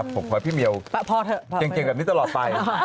ผมขอให้พี่เหมียวเก่งกับนี้ตลอดไป